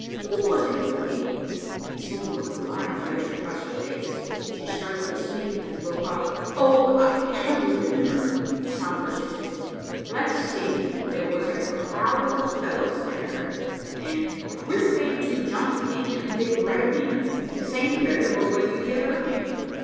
Who was it, Dorothy?" A sudden look of alarm flashed across her face. She started to speak and then broke off. "Oh! I hardly remember." Tom persisted. "Let's see, there was a crowd of the fellows there, and, queer thing too, John King and Dick Regnier. The same pair that were with you the other night."